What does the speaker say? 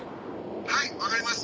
はい分かりました。